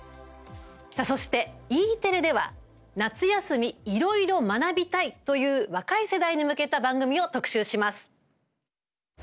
そして、Ｅテレでは夏休み、いろいろ学びたいという若い世代に向けた番組を特集します。